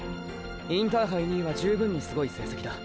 インターハイ２位は十分に凄い成績だ。